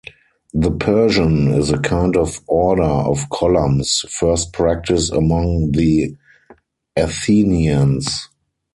The Persian is a kind of order of columns, first practiced among the Athenians.